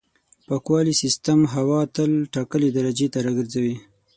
پاکوالي سیستم هوا تل ټاکلې درجې ته راګرځوي.